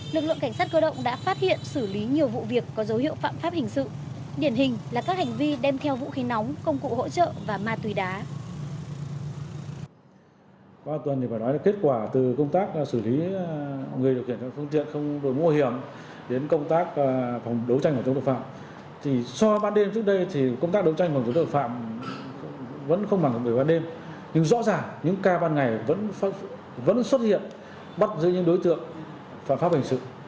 lực lượng cảnh sát cơ động đã phát hiện xử lý nhiều vụ việc có dấu hiệu phạm pháp hình sự